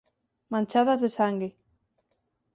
manchadas de sangue.